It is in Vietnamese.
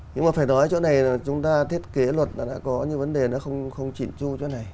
nhưng mà phải nói chỗ này là chúng ta thiết kế luật là đã có những vấn đề nó không chỉn chu chỗ này